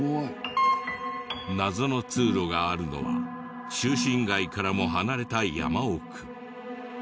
謎の通路があるのは中心街からも離れた山奥。